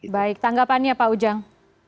baik tanggapannya pak ujang